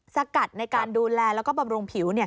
สกัดในการดูแลแล้วก็บำรุงผิว